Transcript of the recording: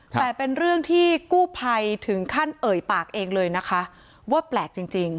แต่เป็นเรื่องที่กู้ภัยถึงขั้นเอ่ยปากเองเลยนะคะว่าแปลกจริง